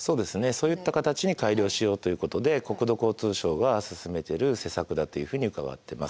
そういった形に改良しようということで国土交通省が進めてる施策だというふうに伺ってます。